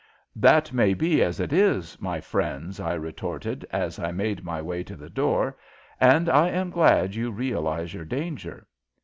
"That may be as it is, my friends," I retorted, as I made my way to the door, "and I am glad you realize your danger.